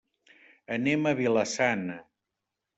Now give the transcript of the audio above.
Anem a Vila-sana.